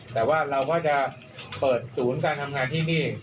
แต่ว่าเราก็จะเปิดศูนย์การทำงานที่นี่